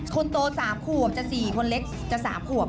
คนโต๓ขวบจะ๔คนเล็กจะ๓ขวบ